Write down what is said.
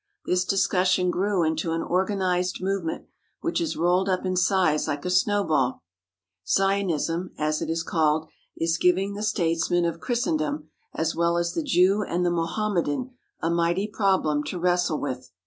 This discussion grew into an organized movement which has rolled up in size like a snowball. Zionism, as it is called, is giving the states men of Christendom, as well as the Jew and the Mohammedan, a mighty problem to wrestle with.